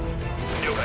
了解。